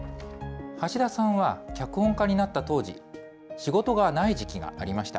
橋田さんは脚本家になった当時、仕事がない時期がありました。